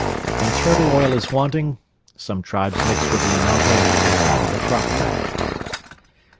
When turtle oil is wanting, some tribes mix with the anato the fat of the crocodile.